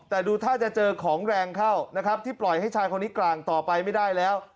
แต่ดูท่าจะเจอของแรงเข้านะครับที่ปล่อยให้ชายคนนี้กลางต่อไปไม่ได้แล้ว